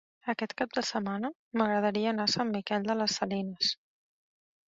Aquest cap de setmana m'agradaria anar a Sant Miquel de les Salines.